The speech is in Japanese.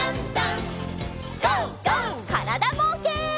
からだぼうけん。